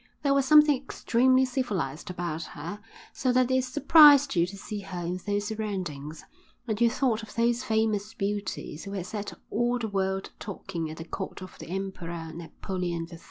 There was something extremely civilised about her, so that it surprised you to see her in those surroundings, and you thought of those famous beauties who had set all the world talking at the Court of the Emperor Napoleon III.